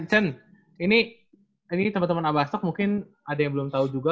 cen ini teman teman abastok mungkin ada yang belum tau juga